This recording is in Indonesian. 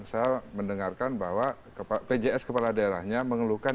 saya mendengarkan bahwa pjs kepala daerahnya mengeluhkan